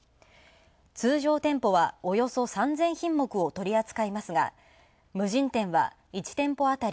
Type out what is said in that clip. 通常店舗はおよそ３０００品目を取り扱いますが無人店は１店舗あたり